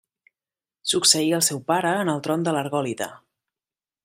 Succeí el seu pare en el tron de l'Argòlida.